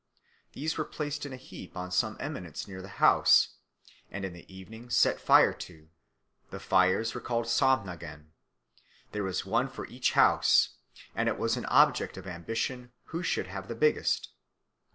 These were placed in a heap on some eminence near the house, and in the evening set fire to. The fires were called Samhnagan. There was one for each house, and it was an object of ambition who should have the biggest.